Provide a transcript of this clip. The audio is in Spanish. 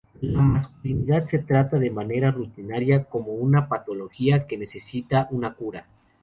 La masculinidad se trata de manera rutinaria como una patología que necesita una cura.